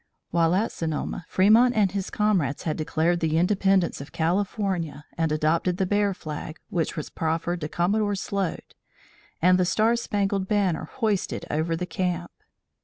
While at Sonoma, Fremont and his comrades had declared the independence of California and adopted the Bear Flag, which was proffered to Commodore Sloat and the Star Spangled Banner hoisted over the camp.